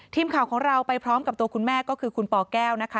ทีมข่าวของเราไปพร้อมกับตัวคุณแม่ก็คือคุณปแก้วนะคะ